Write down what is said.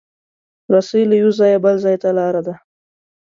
رسۍ له یو ځایه بل ځای ته لاره ده.